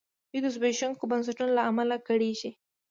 دوی د زبېښونکو بنسټونو له امله کړېږي.